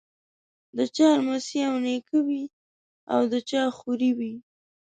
د چا لمسی او نیکه وي او د چا خوريی وي.